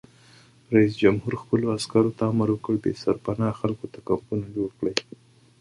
رئیس جمهور خپلو عسکرو ته امر وکړ؛ بې سرپناه خلکو ته کمپونه جوړ کړئ!